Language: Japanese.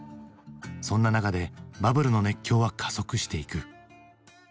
そんな中でバブルの熱狂は加速していく。